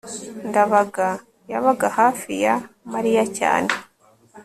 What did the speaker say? ndabaga yabaga hafi ya mariya cyane